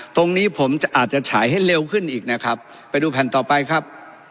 ตรงนี้ผมจะอาจจะฉายให้เร็วขึ้นอีกนะครับไปดูแผ่นต่อไปครับ